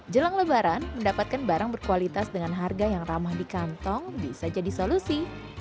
jelang lebaran mendapatkan barang berkualitas dengan harga yang ramah di kantong bisa jadi solusi